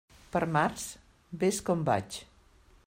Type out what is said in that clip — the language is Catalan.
Per març, vés com vaig.